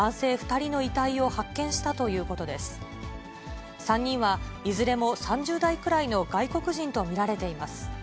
３人はいずれも３０代くらいの外国人と見られています。